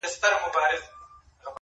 عالمونو زنده باد نارې وهلې٫